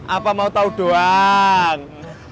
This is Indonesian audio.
apa mau tau doang